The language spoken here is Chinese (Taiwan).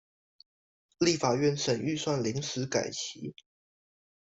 立法院審預算臨時改期